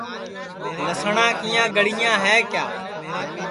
لسٹؔا کیاں گڑیاں ہے کیا